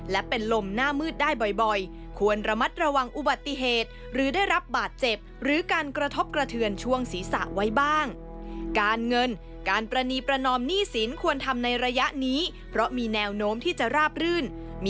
และเป็นลมหน้ามืดได้บ่อย